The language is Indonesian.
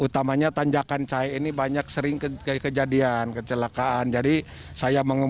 pelan pelan kurang rambu kurang penerangan jalan